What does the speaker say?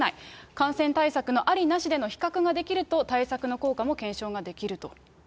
感染対策のありなしでの比較ができると、対策の効果も検証ができると。